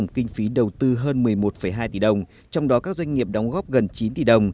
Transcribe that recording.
kinh phí đầu tư hơn một mươi một hai tỷ đồng trong đó các doanh nghiệp đóng góp gần chín tỷ đồng